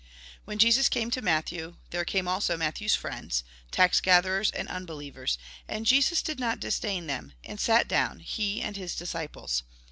When Jesus came to Matthew, there came also Matthew's friends, tax gatherers and unbelievers, and Jesus did not disdain them, and sat down, he and his disciples.